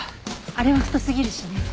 あれは太すぎるしね。